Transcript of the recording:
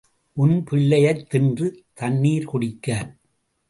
உன் பிள்ளையைத் தின்று தண்ணீர் குடிக்க.